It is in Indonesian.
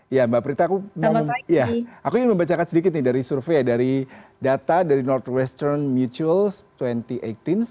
ya mbak prita aku ingin membacakan sedikit dari survei dari data dari northwestern mutuals dua ribu delapan belas